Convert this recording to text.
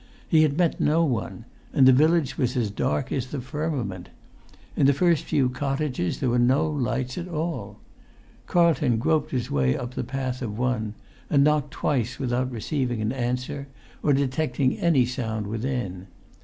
He had met no one, and the village was as dark as the firmament; in the first few cottages there were no lights at all. Carlton groped his way up the path of one, and knocked twice without receiving an answer or detecting any sound within.